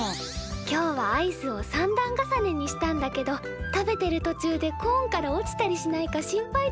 今日はアイスを３段重ねにしたんだけど食べてる途中でコーンから落ちたりしないか心配だったよ。